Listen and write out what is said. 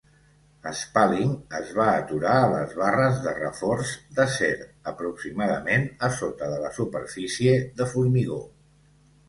Spalling es va aturar a les barres de reforç d'acer, aproximadament a sota de la superfície de formigó.